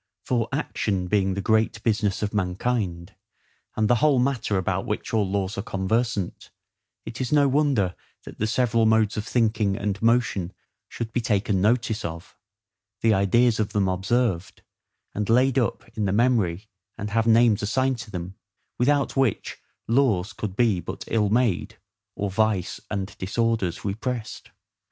For ACTION being the great business of mankind, and the whole matter about which all laws are conversant, it is no wonder that the several modes of thinking and motion should be taken notice of, the ideas of them observed, and laid up in the memory, and have names assigned to them; without which laws could be but ill made, or vice and disorders repressed.